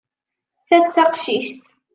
Ta d taqcict.